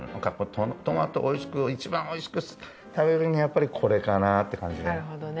トマトをいちばんおいしく食べるにはやっぱりこれかなって感じね。